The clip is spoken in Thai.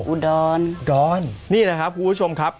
อูดอนนี่นะครับคุณผู้ชมครับ